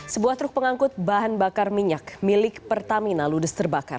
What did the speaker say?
sebuah truk pengangkut bahan bakar minyak milik pertamina ludes terbakar